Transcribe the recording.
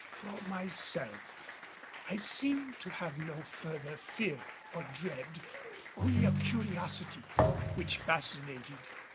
For myself I seemed to have no further fear or dread, only a curiosity which fascinated.